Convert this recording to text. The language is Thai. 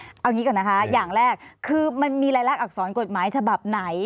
เอางี้ก่อนนะคะอย่างแรกคือมันมีรายลักษรกฎหมายฉบับไหน